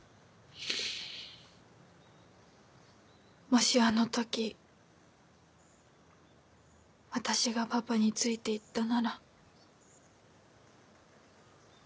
もしあの時私がパパについて行ったなら。